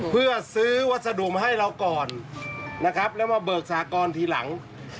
เพื่อซื้อวัสดุมาให้เราก่อนนะครับแล้วมาเบิกสากรทีหลัง